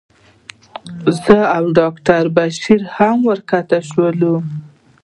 زه او ډاکټره بشرا هم ورښکته شولو.